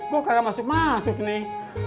kok kagak masuk masuk nih